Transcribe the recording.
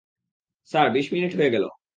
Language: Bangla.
স্যার, বিশ মিনিট হয়ে গেল।